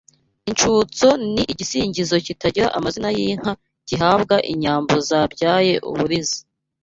Incutso Ni igisingizo gitangira amazina y’inka gihabwa inyambo zabyaye uburiza